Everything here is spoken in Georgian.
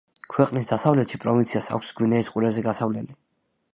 ქვეყნის დასავლეთში პროვინციას აქვს გვინეის ყურეზე გასასვლელი.